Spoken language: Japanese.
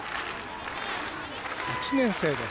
１年生です。